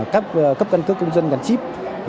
cấp căn cước công dân gắn chip